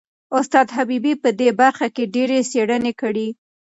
استاد حبیبي په دې برخه کې ډېرې څېړنې کړي.